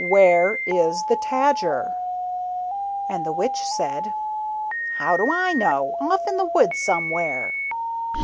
Where is the Tajer?" And the Witch said, "How do I know? Off in the woods somewhere."